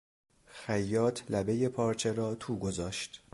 خیاط لبهٔ پارچه را تو گذاشت.